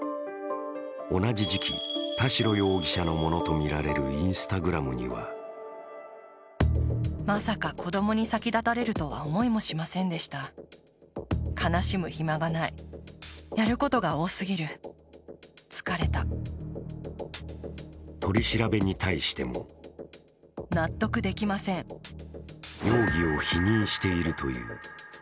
同じ時期、田代容疑者のものとみられるＩｎｓｔａｇｒａｍには取り調べに対しても容疑を否認しているという。